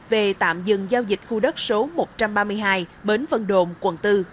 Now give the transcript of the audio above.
về tạm dừng giao dịch khu đất số một trăm ba mươi hai bến vân đồn quận bốn